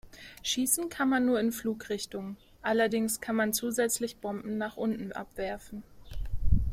Schießen kann man nur in Flugrichtung, allerdings kann man zusätzlich Bomben nach unten abwerfen.